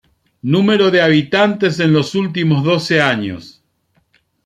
Número de habitantes en los últimos doce años.